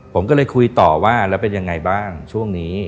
ผมก็เลยคุยต่อว่าแล้วเป็นยังไงบ้างช่วงนี้